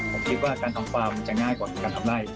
ผมคิดว่าการทำฟาร์มจะง่ายกว่าการทำไล่